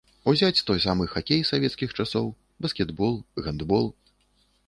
Узяць той саамы хакей савецкіх часоў, баскетбол, гандбол.